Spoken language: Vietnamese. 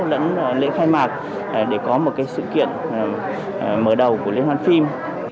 lẫn lễ khai mạc để có một sự kiện mở đầu của liên hoan phim